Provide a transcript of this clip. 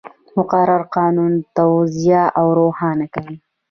مقرره قانون توضیح او روښانه کوي.